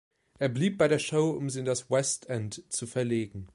Er blieb bei der Show, um sie in das West End zu verlegen.